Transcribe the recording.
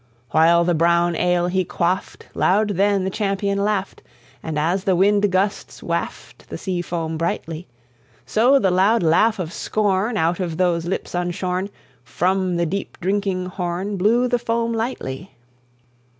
"While the brown ale he quaffed, Loud then the champion laughed, And as the wind gusts waft The sea foam brightly, So the loud laugh of scorn, Out of those lips unshorn, From the deep drinking horn Blew the foam lightly.